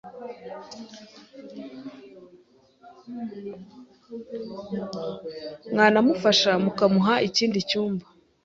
Mwanamufasha mukamuha ikindi cyumba